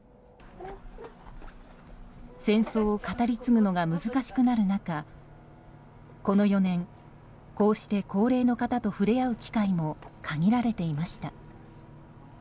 戦争を語り継ぐのが難しくなる中この４年、こうして高齢の方と触れ合う機会も限られていました。